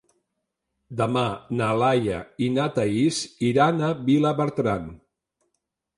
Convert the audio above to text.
Demà na Laia i na Thaís iran a Vilabertran.